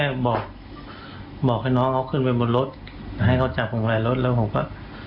ผมก็ไม่ได้แค่บอกให้น้องเอาขึ้นไปบนรถให้เขาจับผมไว้รถแล้วผมก็